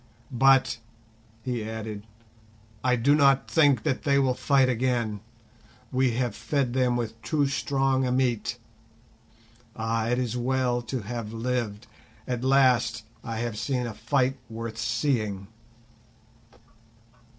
"But," he added, "I do not think that they will fight again. We have fed them with too strong a meat. Ah! it is well to have lived! At last I have seen a fight worth seeing."